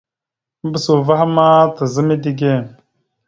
Maɓəsa uvah a ma taza midǝge.